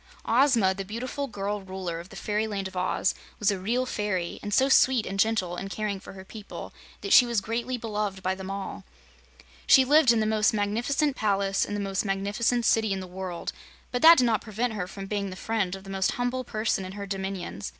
Ozma, the beautiful girl Ruler of the Fairyland of Oz, was a real fairy, and so sweet and gentle in caring for her people that she was greatly beloved by them all. She lived in the most magnificent palace in the most magnificent city in the world, but that did not prevent her from being the friend of the most humble person in her dominions.